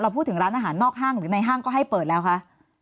พูดถึงร้านอาหารนอกห้างหรือในห้างก็ให้เปิดแล้วคะ